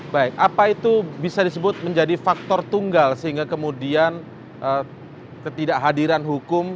baik apa itu bisa disebut menjadi faktor tunggal sehingga kemudian ketidakhadiran hukum